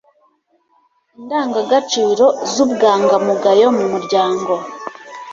indangagaciro z ubwangamugayo mu muryango